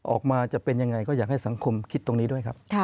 ออกมาจะเป็นยังไงก็อยากให้สังคมคิดตรงนี้ด้วยครับ